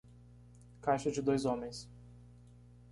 Caixa de dois homens.